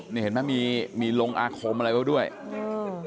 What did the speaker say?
นี่เห็นไหมมีมีลงอาคมอะไรไว้ด้วยอืม